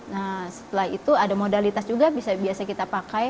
nah setelah itu ada modalitas juga bisa biasa kita pakai